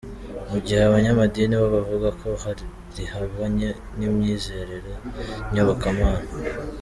mu gihe abanyamadini bo bavugaga ko rihabanye n’imyizerere nyobokamana.